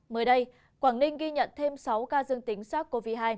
mới đây quảng ninh ghi nhận thêm sáu ca dương tính sars cov hai